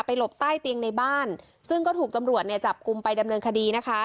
หลบใต้เตียงในบ้านซึ่งก็ถูกตำรวจเนี่ยจับกลุ่มไปดำเนินคดีนะคะ